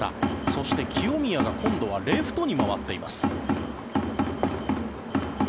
そして清宮が今度はレフトに回っています。